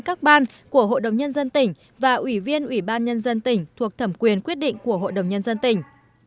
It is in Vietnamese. các ban của hội đồng nhân dân tỉnh và ủy viên ủy ban nhân dân tỉnh thuộc thẩm quyền quyết định của hội đồng nhân dân tỉnh